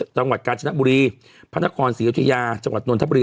จังหวัดกาญจนบุรีพระนครศรีอยุธยาจังหวัดนทบุรี